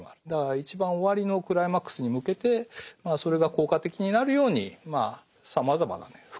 だから一番終わりのクライマックスに向けてそれが効果的になるようにさまざまなね